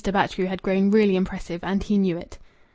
Batchgrew had grown really impressive, and he knew it.